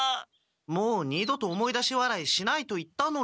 もう二度と思い出し笑いしないと言ったのに。